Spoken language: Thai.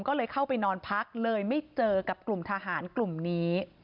ก็เลยเข้าไปนอนพักเลยไม่เจอกับกลุ่มทหารกลุ่มนี้